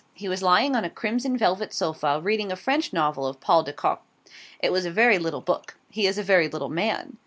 He was lying on a crimson velvet sofa, reading a French novel of Paul de Kock. It was a very little book. He is a very little man.